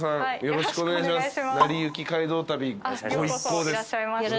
よろしくお願いします。